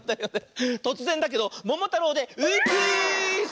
とつぜんだけど「ももたろう」で「う」クイズ！